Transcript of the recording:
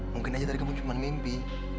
mungkin aja tadi kamu cuman mimpi